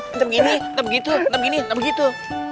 tidak begini tidak begitu tidak begini tidak begitu